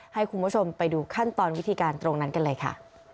ให้คุณผู้ชมไปดูขั้นตอนวิธีการตรงนั้นกันเลยค่ะ